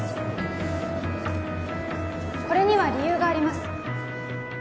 これには理由があります